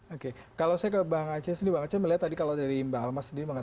oke kalau saya ke bang aceh sendiri bang aceh melihat tadi kalau dari mbak almas sendiri mengatakan